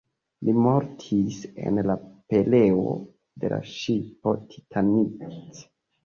Li mortis en la pereo de la ŝipo Titanic.